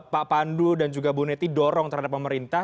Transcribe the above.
pak pandu dan juga bu neti dorong terhadap pemerintah